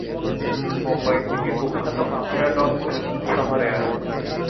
মুম্বাই থেকে কুখ্যাত mafia don Vicky শহরে আসে।